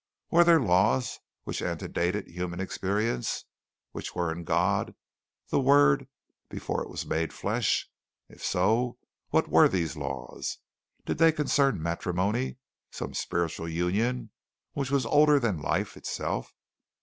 Were there laws which ante dated human experience, which were in God The Word before it was made flesh? If so, what were these laws? Did they concern matrimony some spiritual union which was older than life itself?